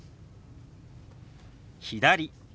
「左」。